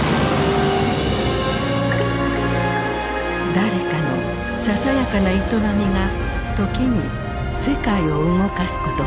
誰かのささやかな営みが時に世界を動かすことがある。